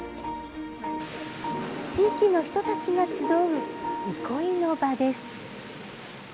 地域の人たちが集う憩いの場です。